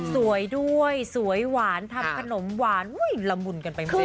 สวยด้วยสวยหวานทำขนมหวานอุ้ยละมุนกันไปมากจริง